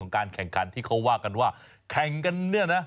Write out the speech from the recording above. การแข่งขันที่เขาว่ากันว่าแข่งกันเนี่ยนะ